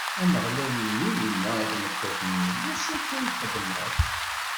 Ameɣlal Illu yenna i tmeṭṭut-nni: D acu akka i txedmeḍ?